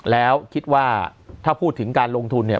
แล้วคิดว่าถ้าพูดถึงการลงทุนเนี่ย